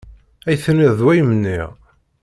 Ay tenniḍ d way m-nniɣ.